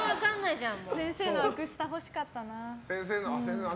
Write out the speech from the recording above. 先生のアクスタ欲しかったな。